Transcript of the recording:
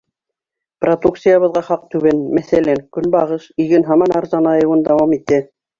Продукциябыҙға хаҡ түбән, мәҫәлән, көнбағыш, иген һаман арзанайыуын дауам итә.